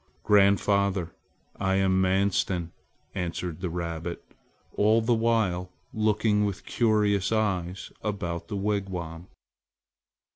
"Grandfather, I am Manstin," answered the rabbit, all the while looking with curious eyes about the wigwam.